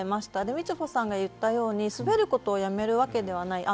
みちょぱさんが言ったように滑ることをやめるわけではない。